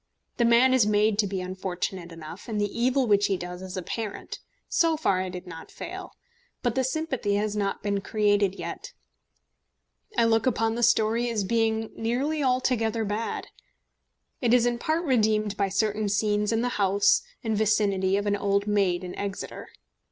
The man is made to be unfortunate enough, and the evil which he does is apparent. So far I did not fail, but the sympathy has not been created yet. I look upon the story as being nearly altogether bad. It is in part redeemed by certain scenes in the house and vicinity of an old maid in Exeter.